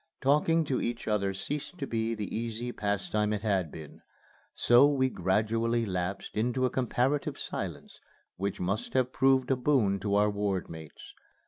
Talking to each other ceased to be the easy pastime it had been; so we gradually lapsed into a comparative silence which must have proved a boon to our ward mates.